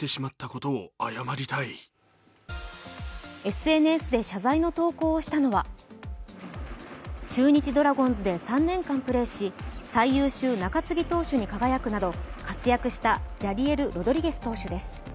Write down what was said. ＳＮＳで謝罪の投稿をしたのは中日ドラゴンズで３年間プレーし、最優秀中継ぎ投手に輝くなど活躍したジャリエル・ロドリゲス投手です。